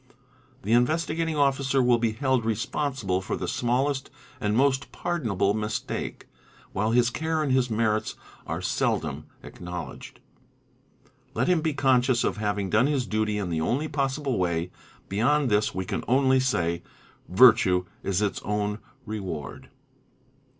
The Investigating Officer will be held responsible for the smallest and most pardonable mistake, while his care and his merits are seldom acknowledged. Let him be conscious of having done his duty in _ the only possible way. Beyond this we can only say, " Virtue is its own — reward."